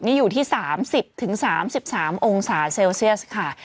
นี่อยู่ที่๓๐๓๓องศาเซลเซียสค่ะ